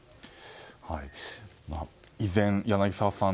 依然、柳澤さん